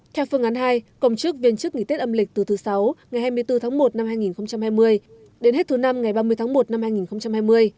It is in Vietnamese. theo phương án hai cộng chức viên chức nghỉ tết âm lịch từ thứ sáu ngày hai mươi bốn tháng một năm hai nghìn hai mươi đến hết thứ năm ngày ba mươi tháng một năm hai nghìn hai mươi